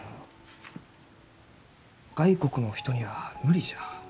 外国のお人には無理じゃ。